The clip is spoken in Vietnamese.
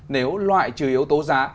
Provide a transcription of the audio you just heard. nếu loại trừ yếu tố giá